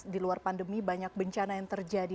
di luar pandemi banyak bencana yang terjadi